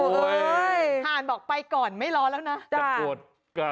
โอ้โฮห่านบอกไปก่อนไม่รอแล้วนะ